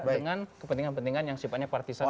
dengan kepentingan pentingan yang sifatnya partisana